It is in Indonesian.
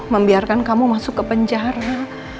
membiarkan kamu masuk ke penjara